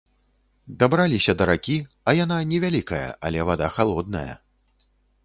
Дабраліся да ракі, а яна не вялікая, але вада халодная.